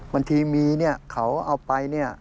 บางทีมีเขาเอาไป